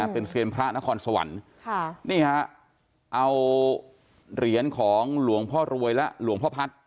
เป็นเซียนพระนครสวรรค์นี่ฮะเอาเหรียญของหลวงพ่อรวยและหลวงพ่อพัฒน์